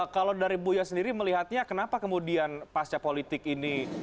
kalau dari buya sendiri melihatnya kenapa kemudian pasca politik ini